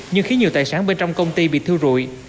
nhưng khiến nhiều tài sản bên trong công ty bị thiêu rụi